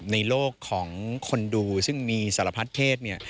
ในโลกของคนดูซึ่งมีสารพัดเพศเนี่ย